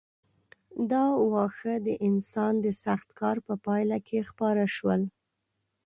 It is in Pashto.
دا واښه د انسان د سخت کار په پایله کې خپاره شول.